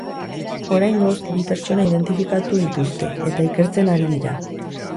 Oraingoz, bi pertsona identifikatu dituzte, eta ikertzen ari dira.